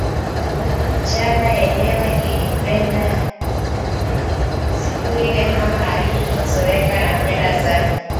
Njama yenyewe ilikwenda nywee siku ile mama alipotoweka na kwenda zake